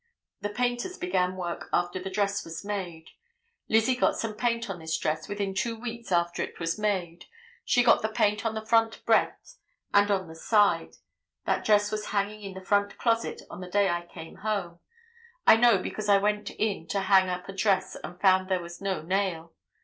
The painters began work after the dress was made; Lizzie got some paint on this dress within two weeks after it was made; she got the paint on the front breadth and on the side; that dress was hanging in the front closet on the day I came home; I know because I went in to hang up a dress and found there was no nail.